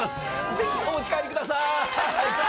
ぜひお持ち帰りくださーい！